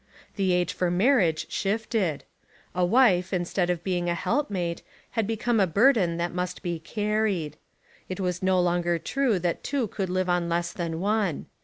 The age for marriage shift ed. A wife instead of being a help mate had become a burden that must be carried. It was no longer true that two could live on less than one.